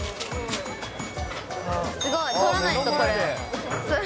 すごい、撮らないと、これ。